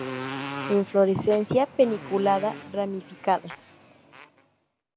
Inflorescencia paniculada, ramificada.